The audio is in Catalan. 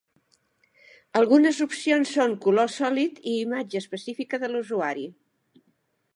Algunes opcions són color sòlid i imatge específica de l'usuari.